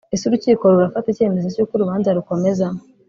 Ese urukiko rurafata icyemezo cy’uko urubanza rukomeza